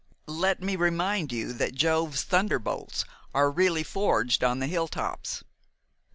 "Let me remind you that Jove's thunderbolts are really forged on the hilltops."